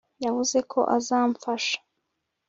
yavuze ko azamfasha